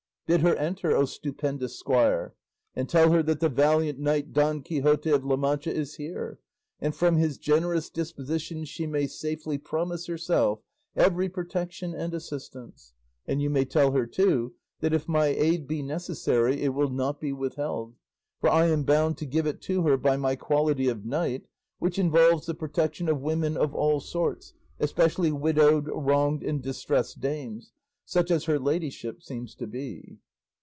Bid her enter, O stupendous squire, and tell her that the valiant knight Don Quixote of La Mancha is here, and from his generous disposition she may safely promise herself every protection and assistance; and you may tell her, too, that if my aid be necessary it will not be withheld, for I am bound to give it to her by my quality of knight, which involves the protection of women of all sorts, especially widowed, wronged, and distressed dames, such as her ladyship seems to be."